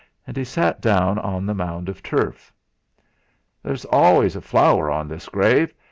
And he sat down on the mound of turf. "There's always a flower on this grave.